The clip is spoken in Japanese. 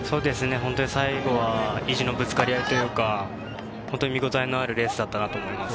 最後は意地のぶつかり合いというか、見応えのあるレースだったと思います。